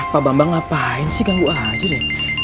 pak bambang ngapain sih ganggu aja deh